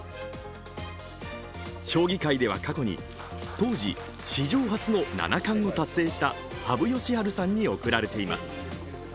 将棋界では過去に当時史上初の七冠を達成した羽生善治さんに贈られています。